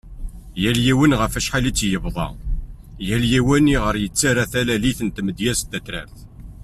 Yal yiwen ɣef acḥal i tt-yebḍa, yal yiwen i ɣer yettara talalit n tmedyazt tatrart .